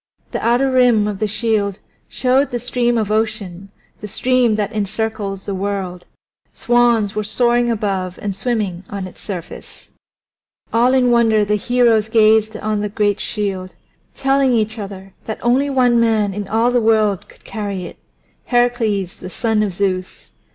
The outer rim of the shield showed the Stream of Ocean, the stream that encircles the world; swans were soaring above and swimming on its surface. All in wonder the heroes gazed on the great shield, telling each other that only one man in all the world could carry it Heracles the son of Zeus.